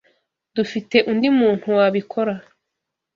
Dufite undi muntu wabikora.